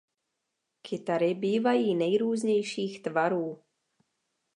Kytary bývají nejrůznějších tvarů.